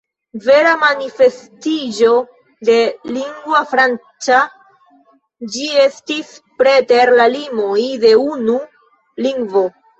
Vera manifestiĝo de ”lingua franca” ĝi estis preter la limoj de unu lingvo.